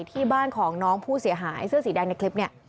ที่บ้านของน้องผู้เสียหายเสื้อสีแดงในคลิปนี้